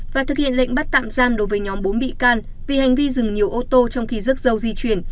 và thực hiện lệnh bắt tạm giam đối với nhóm bốn bị can vì hành vi dừng nhiều ô tô trong khi rước dâu di chuyển